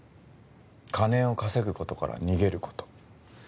金を稼ぐことから逃げること。